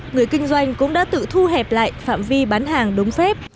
người kinh doanh cũng đã tự thu hẹp lại phạm vi bán hàng đúng phép